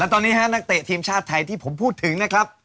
แล้วตอนนี้นะครับนักเตะทีมชาติไทยที่ผมพูดถึงนะครับ